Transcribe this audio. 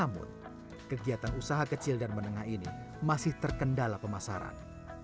tetapi juga untuk membuat usaha kecil dan menengah ini masih terkendala pemasaran